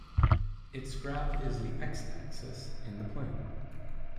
Its graph is the "x"-axis in the plane.